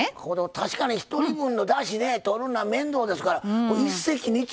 確かに１人分だしでとるのは面倒ですから一石二鳥。